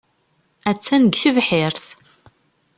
Attan deg tebḥirt.